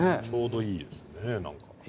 ちょうどいいですね何か。